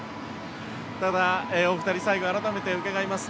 ただ、お二人、最後改めて伺います。